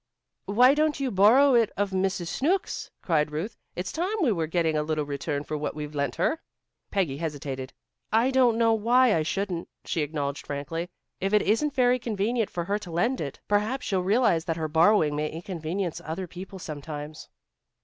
"Why don't you borrow it of Mrs. Snooks?" cried Ruth. "It's time we were getting a little return for what we've lent her." Peggy hesitated. "I don't know why I shouldn't," she acknowledged frankly. "If it isn't very convenient for her to lend it, perhaps she'll realize that her borrowing may inconvenience other people sometimes."